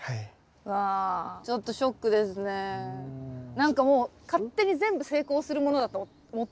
何かもう勝手に全部成功するものだと思ってました。